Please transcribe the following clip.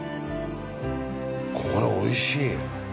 これおいしい！